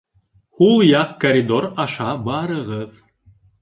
Һул яҡ коридор аша барығыҙ.